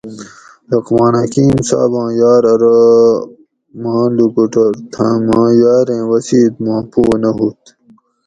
لقمان حکیم صاباں یار ارو ماں لوکوٹور تھہ ماں یاریں وصیت ما پو نہ ہُوت